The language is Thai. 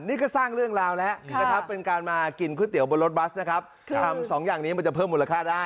นี่ก็สร้างเรื่องราวแล้วนะครับเป็นการมากินก๋วยเตี๋ยบนรถบัสนะครับทำสองอย่างนี้มันจะเพิ่มมูลค่าได้